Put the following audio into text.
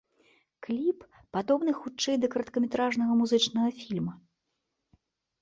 Кліп падобны хутчэй да кароткаметражнага музычнага фільма.